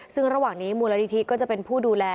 ซึ่งระหว่างนี้มูลนิธิก็จะเป็นผู้ดูแล